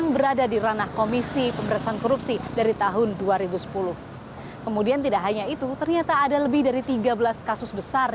beratasan korupsi dari tahun dua ribu sepuluh kemudian tidak hanya itu ternyata ada lebih dari tiga belas kasus besar